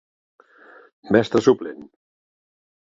Mestre suplent.